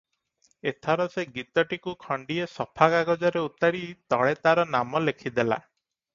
ଏଥର ସେ ଗୀତଟିକୁ ଖଣ୍ଡିଏ ସଫା କାଗଜରେ ଉତାରି ତଳେ ତାର ନାମ ଲେଖିଦେଲା-